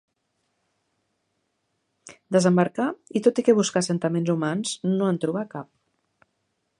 Desembarcà i tot i que buscà assentaments humans no en trobà cap.